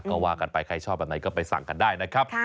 ก็ว่ากันไปใครชอบแบบไหนก็ไปสั่งกันได้นะครับ